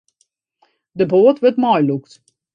De boat wurdt meilûkt.